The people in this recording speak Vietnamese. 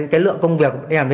cái lượng công việc của bọn em